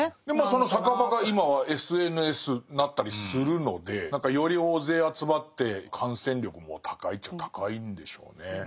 その酒場が今はＳＮＳになったりするので何かより大勢集まって感染力も高いっちゃ高いんでしょうね。